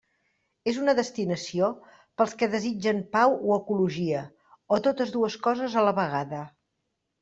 És una destinació pels que desitgen pau o ecologia, o totes dues coses a la vegada.